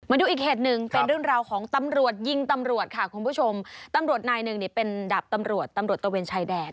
ดูอีกเหตุหนึ่งเป็นเรื่องราวของตำรวจยิงตำรวจค่ะคุณผู้ชมตำรวจนายหนึ่งนี่เป็นดาบตำรวจตำรวจตะเวนชายแดน